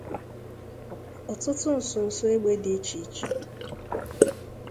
ọtụtụ nsụnsụ egbe dị iche iche